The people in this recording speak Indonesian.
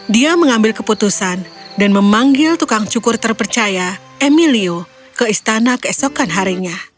dia mengambil keputusan dan memanggil tukang cukur terpercaya emilio ke istana keesokan harinya